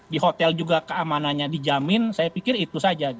di hotel juga keamanannya dijamin saya pikir itu saja